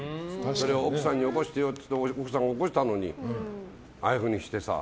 それを奥さんに起こしてよって奥さんが起こしたのにああいうふうにしてさ。